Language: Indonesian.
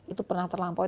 itu pernah terlampaui